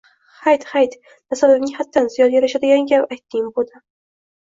– Hayt-hayt! Nasabimga haddan ziyod yarashadigan gap aytding, bo‘tam